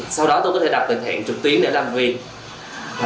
sau đó tôi có thể đặt lệnh hẹn trực tuyến để làm việc